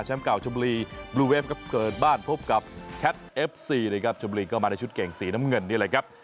เก่าชมบุรีบลูเวฟครับเกิดบ้านพบกับแคทเอฟซีนะครับชมบุรีก็มาในชุดเก่งสีน้ำเงินนี่แหละครับ